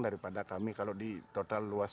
daripada kami kalau di total luas